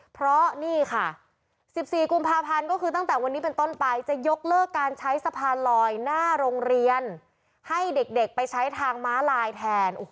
เพราะนี่ค่ะ๑๔กุมภาพันธ์ก็คือตั้งแต่วันนี้เป็นต้นไปจะยกเลิกการใช้สะพานลอยหน้าโรงเรียนให้เด็กไปใช้ทางม้าลายแทน